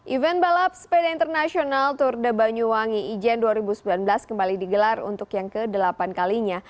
event balap sepeda internasional tour de banyuwangi ijen dua ribu sembilan belas kembali digelar untuk yang ke delapan kalinya